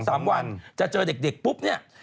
สามวันจะเจอเด็กปุ๊บเนี่ย